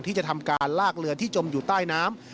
ที่จะทำการลากเรือที่จมอยู่ใต้น้ำ